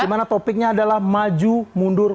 dimana topiknya adalah maju mundur